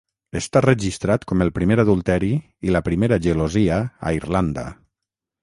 Està registrat com el primer adulteri i la primera gelosia a Irlanda.